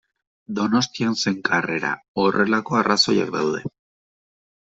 Donostian zen karrera, horrelako arrazoiak daude.